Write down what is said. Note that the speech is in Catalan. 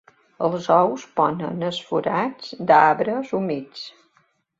Els ous es ponen en forats d'arbres humits.